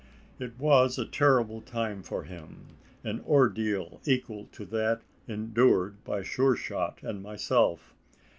It was a terrible time for him an ordeal equal to that endured by Sure shot and myself.